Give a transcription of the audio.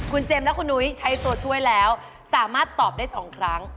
คุณเจมส์และคุณนุ้ยใช้ตัวช่วยแล้วสามารถตอบได้๒ครั้ง